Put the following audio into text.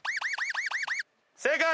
正解！